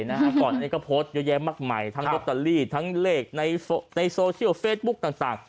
นี่ก็โพสต์เยอะแยะมากใหม่ทั้งล็อตเตอรี่ทั้งเลขในโซเชียลเฟซบุ๊คต่าง